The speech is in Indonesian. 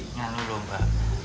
nganur loh mbak